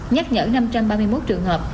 nhắc nhở năm trăm ba mươi một trường hợp